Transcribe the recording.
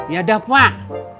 ya dah pak